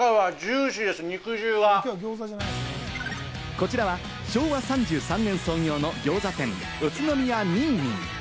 こちらは昭和３３年創業のギョーザ店・宇都宮みんみん。